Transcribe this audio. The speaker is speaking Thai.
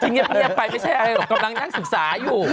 จริงเรียบไปไม่ใช่ผมกำลังนั่งศึกษาอยู่